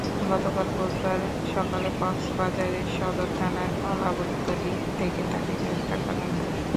গতকাল বুধবার সকালে কক্সবাজারের সদর থানার কলাতলী থেকে তাঁকে গ্রেপ্তার করা হয়।